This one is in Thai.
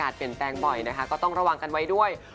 ก็ขอให้คุณจูนหายป่วยไวคุณจูนและคุณแจง